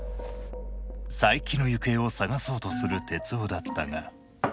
佐伯の行方を捜そうとする徹生だったが。